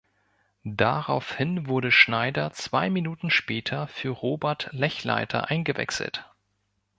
Daraufhin wurde Schneider zwei Minuten später für Robert Lechleiter eingewechselt.